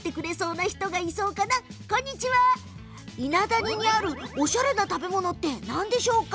伊那谷にあるおしゃれな食べ物って何なんでしょうか？